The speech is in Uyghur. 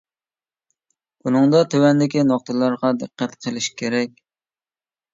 بۇنىڭدا تۆۋەندىكى نۇقتىلارغا دىققەت قىلىش كېرەك.